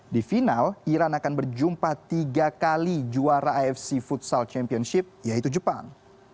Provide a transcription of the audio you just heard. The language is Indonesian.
di final iran akan berjumpa tiga kali juara afc futsal championship yaitu jepang